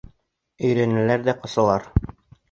Өйрәнәләр ҙә «ҡасалар».